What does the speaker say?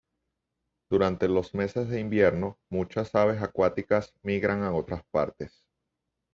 Durante los meses de invierno, muchas aves acuáticas migran a otras partes.